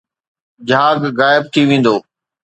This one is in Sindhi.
جھاگ غائب ٿي ويندو